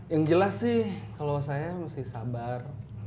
yang jelas sih kalau saya mesti sabar